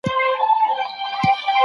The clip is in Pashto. ما خپلي موندني په یو منظم جدول کي ولیکلې.